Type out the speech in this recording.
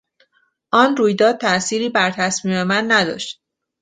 آن رویداد تاثیری بر تصمیم من نداشت.